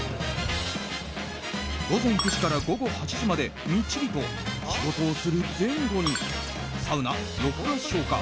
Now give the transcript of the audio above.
午前９時から午後８時までみっちりと仕事をする前後にサウナ、録画消化